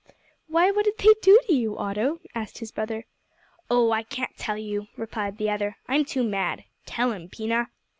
"Why, what did they do to you, Otto?" asked his brother. "Oh! I can't tell you," replied the other; "I'm too mad. Tell 'em, Pina."